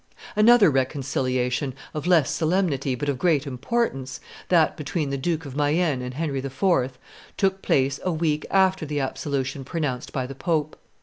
Another reconciliation, of less solemnity, but of great importance, that between the Duke of Mayenne and Henry IV., took place a week after the absolution pronounced by the pope.